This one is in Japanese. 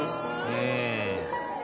うん。